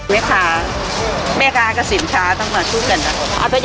แม่ขาแม่การกับสินค้าตั้งแต่ทุกเงินด่ะ